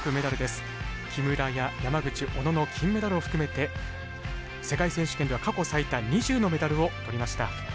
木村や山口小野の金メダルを含めて世界選手権では過去最多２０のメダルを取りました。